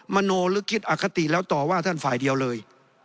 มโนหรือคิดอคติแล้วต่อว่าท่านฝ่ายเดียวเลย